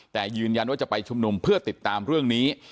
แต่ยืนยันว่าจะไปชุมนุมเพื่อติดตามเรื่องนี้